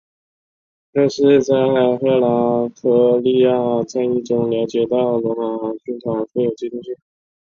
皮洛士在赫拉克利亚战役中了解到罗马军团富有机动性。